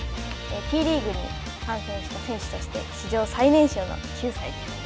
Ｔリーグに参戦した選手として史上最年少の９歳です。